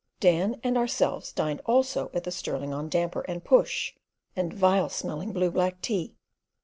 Dan and ourselves dined also at the Stirling on damper and "push" and vile smelling blue black tea.